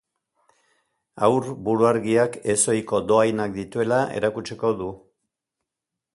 Haur buruargiak ezohiko dohainak dituela erakutsiko du.